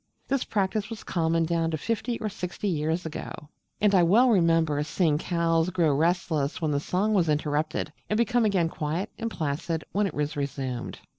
This practice was common down to fifty or sixty years ago; and I well remember seeing cows grow restless when the song was interrupted, and become again quiet and placid when it was resumed.